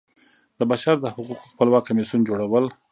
د بشر د حقوقو خپلواک کمیسیون جوړول.